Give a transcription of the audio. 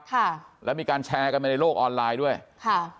ค่ะแล้วมีการแชร์กันไปในโลกออนไลน์ด้วยค่ะ